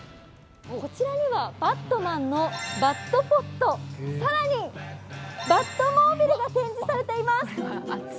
こちらには「バットマン」のバットポッド、更にバットモービルが展示されています。